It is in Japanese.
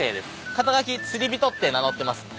肩書釣り人って名乗ってますね。